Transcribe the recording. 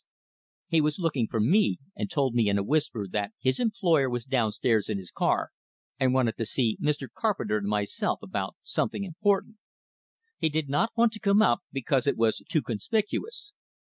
He was looking for me, and told me in a whisper that his employer was downstairs in his car, and wanted to see Mr. Carpenter and myself about something important. He did not want to come up, because it was too conspicuous.